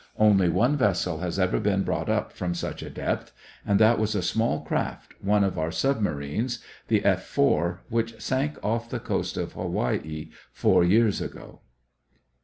Only one vessel has ever been brought up from such a depth and that was a small craft, one of our submarines, the F 4, which sank off the coast of Hawaii four years ago.